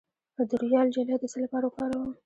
د رویال جیلی د څه لپاره وکاروم؟